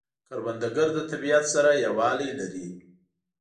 کروندګر د طبیعت سره یووالی لري